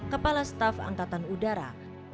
kepala staf angkatan udara